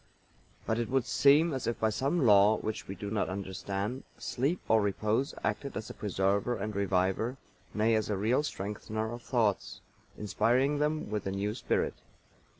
But it would seem as if by some law which we do not understand Sleep or repose acted as a preserver and reviver, nay, as a real strengthener of Thoughts, inspiring them with a new spirit.